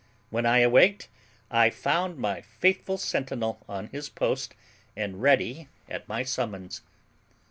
When I awaked I found my faithful centinel on his post and ready at my summons.